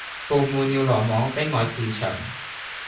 布滿了羅網，逼我自戕。